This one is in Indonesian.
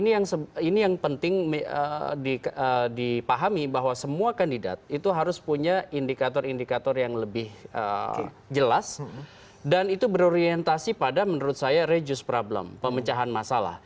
nah ini yang penting dipahami bahwa semua kandidat itu harus punya indikator indikator yang lebih jelas dan itu berorientasi pada menurut saya reduce problem pemecahan masalah